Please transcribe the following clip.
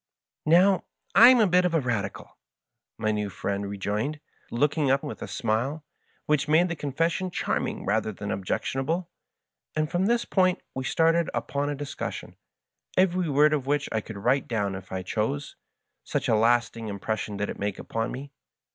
" Now, I'm a bit of a Radical," my new friend re joined, looking up with a smile, which made the confes sion charming rather than objectionable ; and from this point we started upon a discussion, every word of which I could write down if I chose, such a lasting impression did it make upon me.